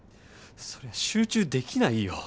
そりゃ集中できないよ。